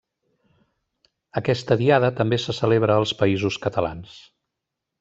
Aquesta diada també se celebra als Països Catalans.